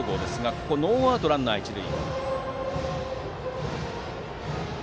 ここはノーアウトランナー、一塁。